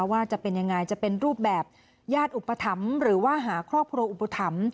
ว่าจะเป็นยังไงจะเป็นรูปแบบญาติอุปถัมภ์หรือว่าหาครอบครัวอุปถัมภ์